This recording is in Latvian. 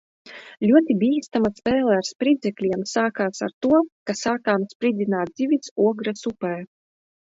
Ļoti bīstama spēle ar spridzekļiem sākās ar to, ka sākām spridzināt zivis Ogres upē.